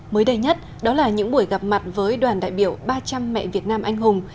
mới đây nhất đó là những buổi gặp mặt với đoàn đại biểu ba trăm linh mẹ việt nam anh hùng